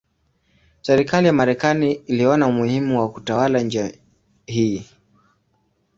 Serikali ya Marekani iliona umuhimu wa kutawala njia hii.